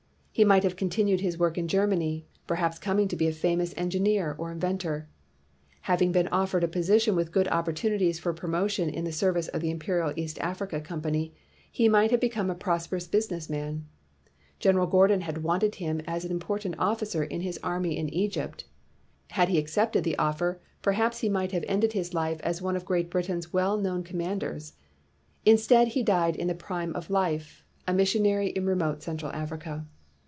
He might have continued his work in Germany, perhaps coming to be a famous engineer or inventor. Having been offered a position with good opportunities for pro motion in the service of the Imperial East Africa Company, he might have become a prosperous business man. General Gordon had wanted hiin as an important officer in 271 WHITE MAN OF WORK his army in Egypt. Had lie accepted the offer, perhaps he might have ended his life as one of Great Britain's well known com manders. Instead, he died in the prime of life — a missionary in remote Central Africa.